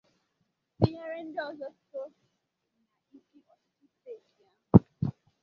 tinyere ndị ọzọ so n'isi ọchịchị steeti ahụ.